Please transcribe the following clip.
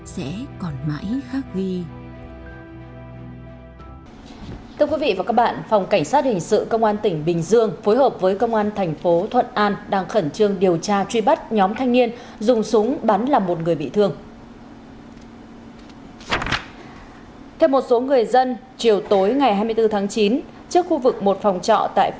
sẽ còn mãi khác ghi